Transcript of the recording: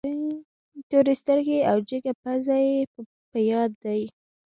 تورې سترګې او جګه پزه یې په یاد دي.